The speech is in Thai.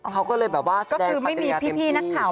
เขาก็เลยแบบว่าแสดงปัจจุยาเต็มที่ก็คือไม่มีพี่นักข่าว